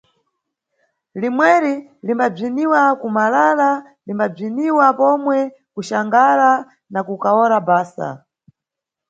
Limweri limbabziniwa kuMalala, limbabziniwa pomwe kuXangara na KukaworaBasa.